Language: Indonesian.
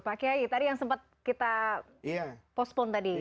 pak gai tadi yang sempat kita postpon tadi